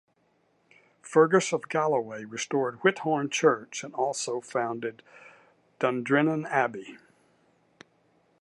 Fergus of Galloway restored Whithorn church and also founded Dundrennan Abbey.